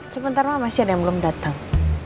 sebentar mama share yang belum datang